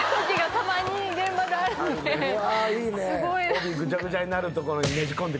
帯ぐちゃぐちゃになるところにねじ込んでくるやつ。